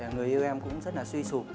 người yêu em cũng rất là suy sụp